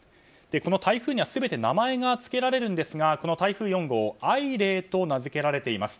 この台風には全て名前が付けられるんですがこの台風４号、アイレーと名づけられています。